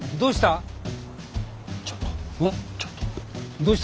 どうした？